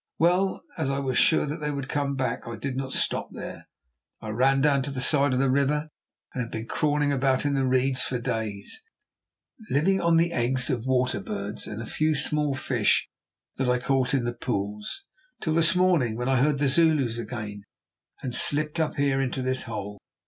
Well, as I was sure that they would come back, I did not stop there. I ran down to the side of the river, and have been crawling about in the reeds for days, living on the eggs of water birds and a few small fish that I caught in the pools, till this morning, when I heard the Zulus again and slipped up here into this hole.